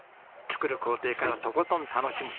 作る工程からとことん楽しむ。